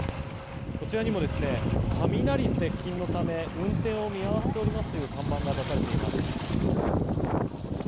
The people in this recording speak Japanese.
こちらにも雷接近のため運転を見合わせておりますという看板が出されております。